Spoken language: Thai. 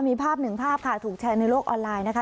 มีภาพหนึ่งภาพค่ะถูกแชร์ในโลกออนไลน์นะคะ